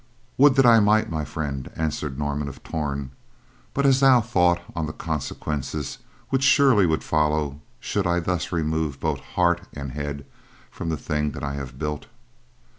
"Would that I might, my friend," answered Norman of Torn. "But hast thou thought on the consequences which surely would follow should I thus remove both heart and head from the thing that I have built?